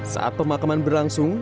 saat pemakaman berlangsung